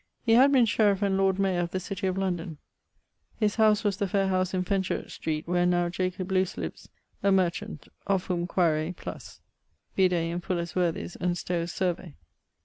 He had been sheriff and Lord Mayor of the city of London. His howse was the faire howse in Fenchurch street where now Jacob Luce lives, a merchant, of of whom quaere +. Vide in Fuller's Worthies and Stowe's Survey.